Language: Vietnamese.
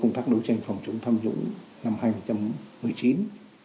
phong tỏa lượng tài sản trị giá trên một mươi tỷ đồng đạt gần bảy mươi